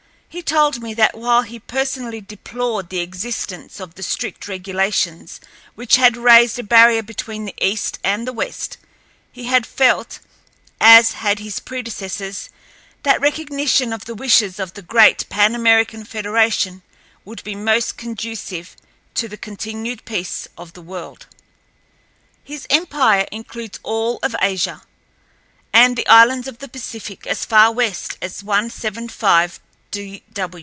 He told me that while he personally deplored the existence of the strict regulations which had raised a barrier between the east and the west, he had felt, as had his predecessors, that recognition of the wishes of the great Pan American federation would be most conducive to the continued peace of the world. His empire includes all of Asia, and the islands of the Pacific as far east as 175°W.